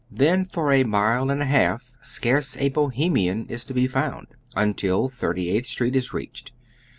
Then for a mile and a half scarce a Bohemian is to be found, until Thirty eighth Street is reached.